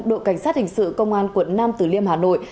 đội cảnh sát hình sự công an quận nam tử liêm hà nội